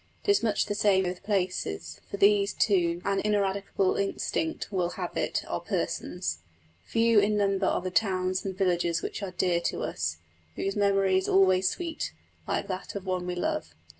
It is much the same with places, for these, too, an ineradicable instinct will have it, are persons. Few in number are the towns and villages which are dear to us, whose memory is always sweet, like that of one we love.